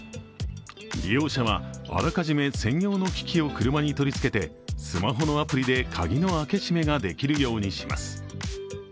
利用者はあらかじめ専用の機器を車に取り付けてスマホのアプリで鍵の開け閉めができるようにします。